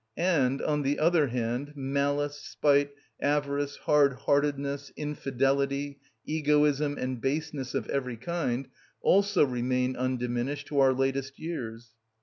And, on the other hand, malice, spite, avarice, hard heartedness, infidelity, egoism, and baseness of every kind also remain undiminished to our latest years.